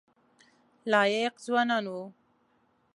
لایق ځوانان وو.